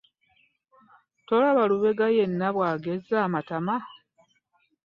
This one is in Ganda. Tolaba Lubega yenna bw'agezze amatama?